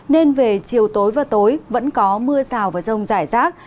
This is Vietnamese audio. nên về chiều tối và tối vẫn có mưa rào và rông rải rác